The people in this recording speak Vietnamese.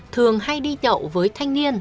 thường hay đi nhậu với thanh niên